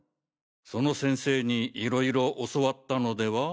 その先生にいろいろ教わったのでは？